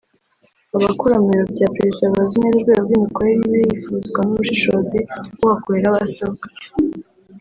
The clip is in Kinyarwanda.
Abakora mu biro bya Perezida bazi neza urwego rw’imikorere iba yifuzwa n’ubushishozi uhakorera aba asabwa